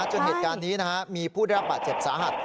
จนเหตุการณ์นี้มีผู้ได้รับบาดเจ็บสาหัส